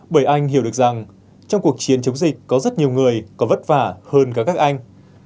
bởi anh hiểu được rằng trong cuộc chiến chống dịch có rất nhiều người có vất vả hơn cả các anh